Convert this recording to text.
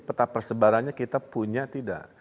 ini peta persebarannya kita punya atau tidak